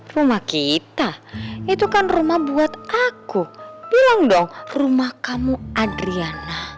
rumah kita itu kan rumah buat aku bilang dong rumah kamu adriana